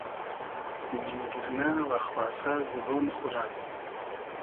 مینگیرنۂ و خاسۂ زیبۉن خو رۂ